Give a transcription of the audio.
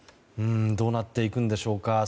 どうなっていくんでしょうか。